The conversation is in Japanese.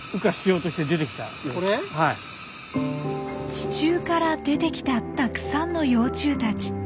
地中から出てきたたくさんの幼虫たち。